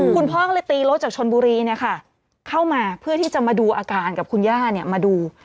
คุณพ่อก็เลยตีรถจากชนบุรีเข้ามาเพื่อที่จะมาดูอาการกับคุณย่ามาดู